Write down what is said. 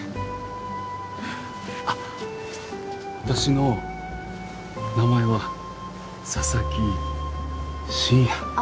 あっ私の名前は佐々木深夜です。